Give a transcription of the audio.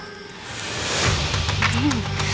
นี่